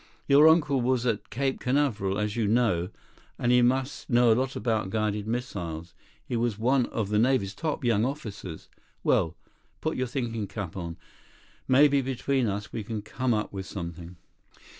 Your uncle was at Cape Canaveral, as you know, and he must know a lot about guided missiles. He was one of the Navy's top young officers. Well—put your thinking cap on. Maybe between us we can come up with something."